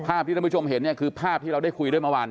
ที่ท่านผู้ชมเห็นเนี่ยคือภาพที่เราได้คุยด้วยเมื่อวาน